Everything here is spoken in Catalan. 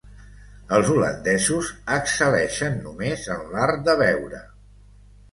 Els holandesos excel·leixen només en l'art de beure.